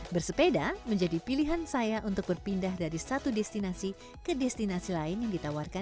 bersepeda menjadi pilihan saya untuk berpindah dari satu destinasi ke destinasi lain yang ditawarkan